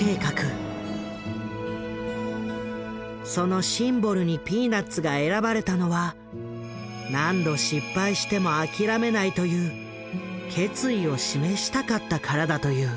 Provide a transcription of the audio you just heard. そのシンボルに「ピーナッツ」が選ばれたのはという決意を示したかったからだという。